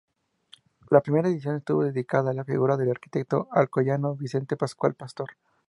La primera edición estuvo dedicada a la figura del arquitecto alcoyano Vicente Pascual Pastor.